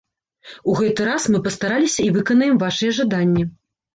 У гэты раз мы пастараліся і выканаем вашыя жаданні!